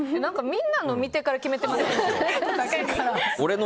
みんなの見てから決めてません？